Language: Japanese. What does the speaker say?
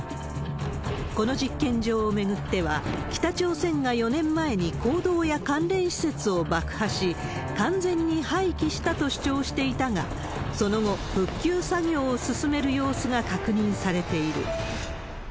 この実験場を巡っては、北朝鮮が４年前に坑道や関連施設を爆破し、完全に廃棄したと主張していたが、その後、復旧作業を進める様子が確認されている。